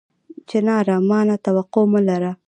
چناره! ما نه توقع مه لره